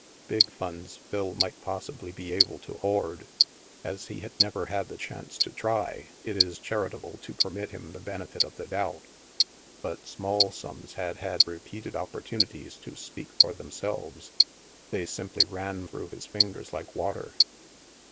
Big funds Phil might possibly be able to hoard ; as he had never had the chance to try, it is i6o THE MASK charitable to permit him the benefit of the doubt. But small sums had had repeated opportunities to speak for themselves. They simply ran through his fingers like water.